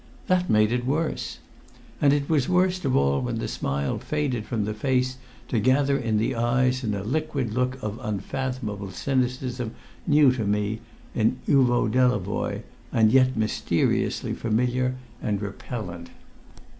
That made it worse. And it was worst of all when the smile faded from the face to gather in the eyes, in a liquid look of unfathomable cynicism, new to me in Uvo Delavoye, and yet mysteriously familiar and repellent.